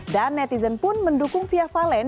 dan netizen pun mendukung fia fallen